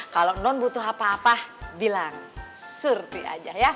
kalau non butuh apa apa bilang surti aja ya